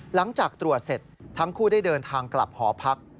หลังจากตรวจเสร็จทั้งคู่ได้เดินทางกลับหอพัก